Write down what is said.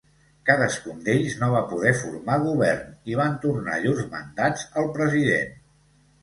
Cadascun d'ells no va poder formar govern i van tornar llurs mandats al president.